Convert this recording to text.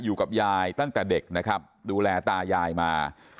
อยู่กับยายตั้งแต่เด็กนะครับดูแลตายายมา